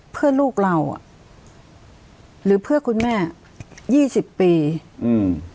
เพื่อลูกเราอ่ะหรือเพื่อคุณแม่ยี่สิบปีอืม